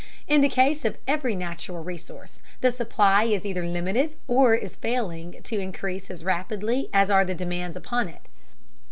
In the case of every natural resource the supply is either limited or is failing to increase as rapidly as are the demands upon it.